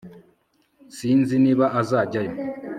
sinzi niba azajyayo